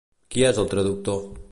Qui és el traductor?